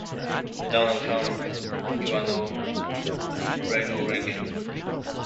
Donald Trump, you are no Ronald Reagan.